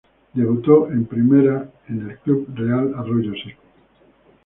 Debutó en primera en el Club Real Arroyo Seco.